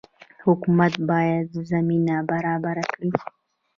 حکومت باید زمینه برابره کړي